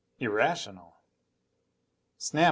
Irrational! "Snap!"